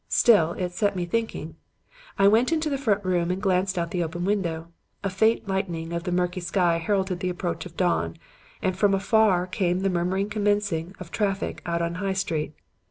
Still, it set me thinking. I went into the front room and glanced out of the open window. A faint lightening of the murky sky heralded the approach of dawn, and from afar came the murmur of commencing traffic out in High Street.